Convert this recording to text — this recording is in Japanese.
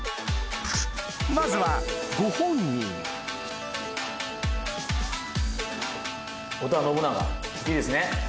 まずはご本人織田信長いいですね？